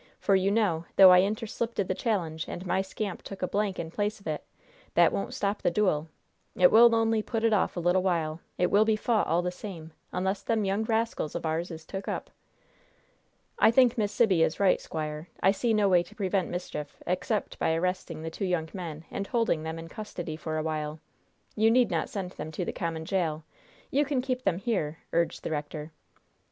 For, you know, though I interslipted the challenge, and my scamp took a blank in place of it, that won't stop the duel; it will only put it off a little while; it will be fought, all the same, unless them young rascals of ours is took up!" "I think Miss Sibby is right, squire. I see no way to prevent mischief, except by arresting the two young men and holding them in custody for a while. You need not send them to the common jail. You can keep them here," urged the rector.